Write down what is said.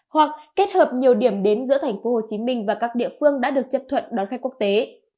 hoặc kết hợp nhiều điểm đến giữa thành phố hồ chí minh và các địa phương đã được chấp thuận đón khách quốc tế